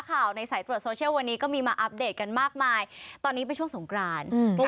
อรุณสวัสดิ์คุณผู้ชมค่ะวันนี้วันสงกรานนะคะ